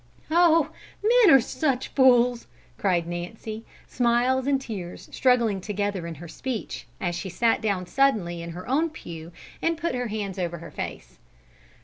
"Oh, men are such fools!" cried Nancy, smiles and tears struggling together in her speech, as she sat down suddenly in her own pew and put her hands over her face.